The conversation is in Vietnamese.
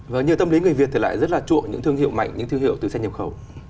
và nhiều tâm lý người việt thì lại rất là chuộng những thương hiệu mạnh những thương hiệu từ xe nhập khẩu